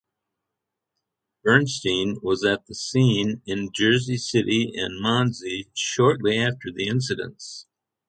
Bernstein was at the scene in Jersey City and Monsey shortly after the incidents.